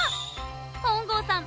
本郷さん